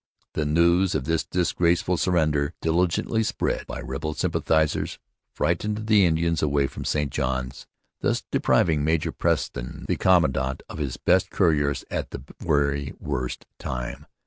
The news of this disgraceful surrender, diligently spread by rebel sympathizers, frightened the Indians away from St Johns, thus depriving Major Preston, the commandant, of his best couriers at the very worst time.